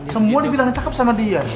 semua dibilangnya cakep sama dia